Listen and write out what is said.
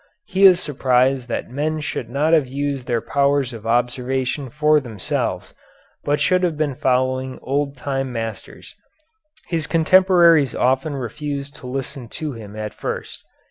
He is surprised that men should not have used their powers of observation for themselves, but should have been following old time masters. His contemporaries often refuse to listen to him at first.